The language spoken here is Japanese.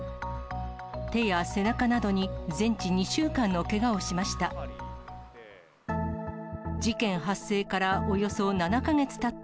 手や背中などに全治２週間のけがをしました。